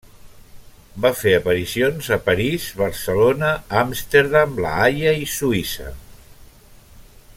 Va fer aparicions a París, Barcelona, Amsterdam, La Haia i Suïssa.